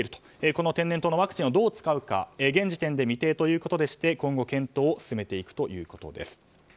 この天然痘のワクチンをどう使うか現時点で未定ということでして今後、検討を進めていくということです。